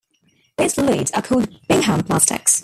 These fluids are called Bingham plastics.